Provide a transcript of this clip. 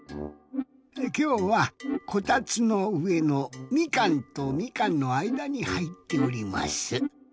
きょうはこたつのうえのみかんとみかんのあいだにはいっております。